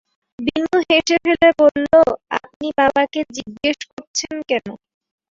বিনু হেসে ফেলে বলল, আপনি বাবাকে জিজ্ঞেস করছেন কেন?